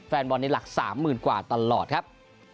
แฟนบอลในหลัก๓๐๐๐กว่าตลอดครับ